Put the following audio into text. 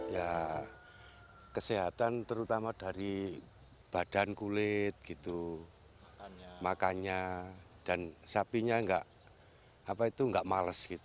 ya kesehatan terutama dari badan kulit gitu makannya dan sapinya nggak males gitu